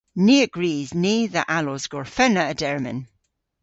Ni a grys ni dhe allos gorfenna a-dermyn.